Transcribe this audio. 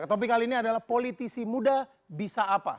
topik kali ini adalah politisi muda bisa apa